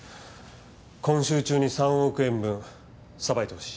今週中に３億円分さばいてほしい。